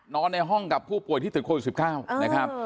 นอนในห้องกับผู้ป่วยที่ติดโคลด๑๙